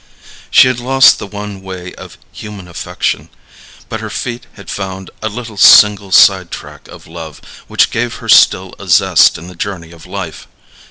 She had lost the one way of human affection, but her feet had found a little single side track of love, which gave her still a zest in the journey of life.